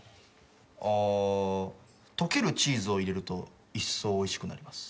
あとけるチーズを入れると一層おいしくなります。